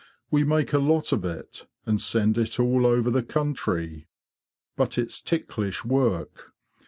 We make a lot of it and send it all over the country. But it's ticklish work.